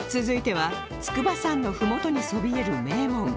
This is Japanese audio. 続いては筑波山のふもとにそびえる名門